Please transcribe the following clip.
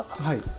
はい。